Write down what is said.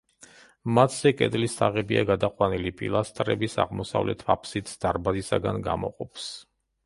მათზე კედლის თაღებია გადაყვანილი, პილასტრების აღმოსავლეთ აფსიდს დარბაზისგან გამოყოფს.